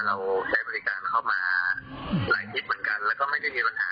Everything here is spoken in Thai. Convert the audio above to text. แล้วก็มาให้เขาบริการทุกอย่าง